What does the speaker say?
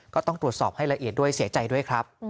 ก็ต้องตรวจสอบให้ละเอียดด้วยเสียใจด้วยครับ